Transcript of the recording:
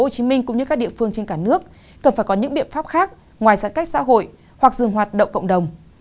cũng như các địa phương trên cả nước cần phải có những biện pháp khác ngoài giãn cách xã hội hoặc dừng hoạt động cộng đồng